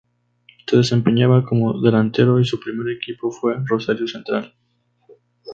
Se desempeñaba como delantero y su primer equipo fue Rosario Central.